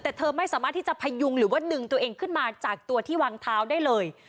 แต่เธอไม่สามารถที่จะพยุงหรือว่าดึงตัวเองขึ้นมาจากตัวที่วางเท้าได้เลย